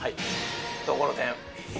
ところてん。